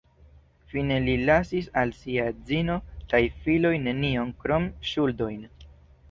Fine li lasis al sia edzino kaj filoj nenion krom ŝuldojn.